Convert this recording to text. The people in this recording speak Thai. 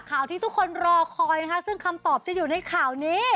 ที่ทุกคนรอคอยนะคะซึ่งคำตอบจะอยู่ในข่าวนี้